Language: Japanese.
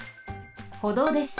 歩道です。